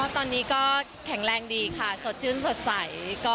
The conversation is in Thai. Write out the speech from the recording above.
ตอนนี้ก็แข็งแรงดีค่ะสดชื่นสดใส